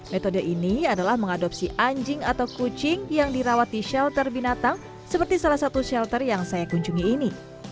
metode ini adalah mengadopsi anjing atau kucing yang dirawat di shelter binatang seperti salah satu shelter yang saya kunjungi ini